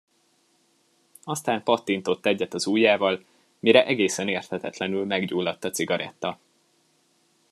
Aztán pattintott egyet az ujjával, mire egészen érthetetlenül meggyulladt a cigaretta.